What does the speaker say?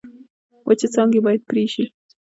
وچې څانګې باید پرې شي.